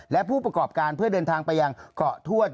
และผู้ประกอบการเพื่อเดินทางไปยังเกาะทวด